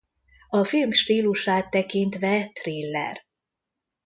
A film stílusát tekintve thriller.